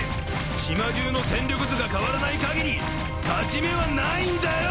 島中の戦力図が変わらないかぎり勝ち目はないんだよ！